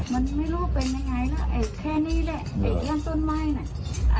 มันไม่รู้เป็นยังไงก็แค่นี่แหละเอียงต้นไม่น่ะ